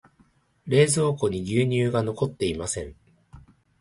冷蔵庫に牛乳が残っていません。